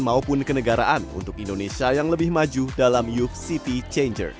maupun kenegaraan untuk indonesia yang lebih maju dalam youth city changers